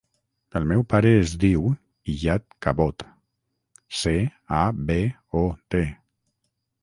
El meu pare es diu Iyad Cabot: ce, a, be, o, te.